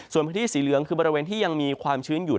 ส่วนพื้นที่สีเหลืองคือบริเวณที่ยังมีความชื้นอยู่